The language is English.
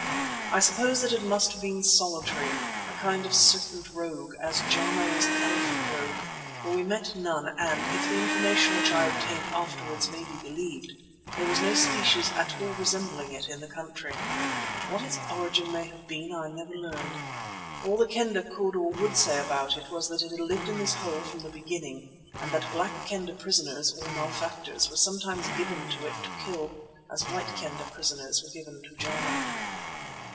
I suppose that it must have been solitary, a kind of serpent rogue, as Jana was an elephant rogue, for we met none and, if the information which I obtained afterwards may be believed, there was no species at all resembling it in the country. What its origin may have been I never learned. All the Kendah could or would say about it was that it had lived in this hole from the beginning and that Black Kendah prisoners, or malefactors, were sometimes given to it to kill, as White Kendah prisoners were given to Jana.